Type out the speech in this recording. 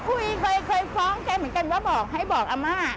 ก็คุยเคยฟ้องแกเหมือนกันว่าให้บอกอำมาตย์